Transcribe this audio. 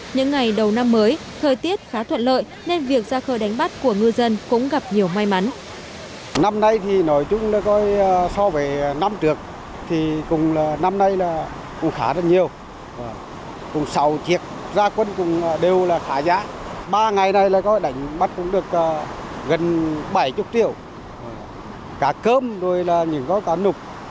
những ngày đầu năm mới thời tiết khá thuận lợi nên việc ra khơi đánh bắt của ngư dân cũng gặp nhiều may mắn